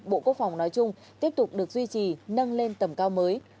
bộ quốc phòng nói chung tiếp tục được duy trì nâng lên tầm cao mới